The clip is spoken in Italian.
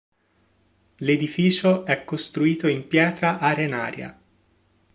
L'edificio è costruito in pietra arenaria.